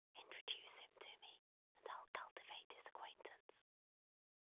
Introduce him to me, and I'll cultivate his acquaintance.